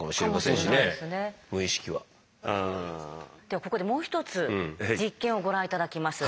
ではここでもう一つ実験をご覧頂きます。